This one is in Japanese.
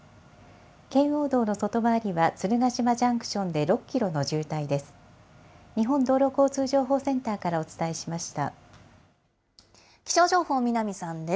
圏央道の外回りは鶴ヶ島ジャンクションで６キロの渋滞です。